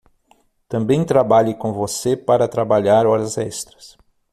Também trabalhe com você para trabalhar horas extras.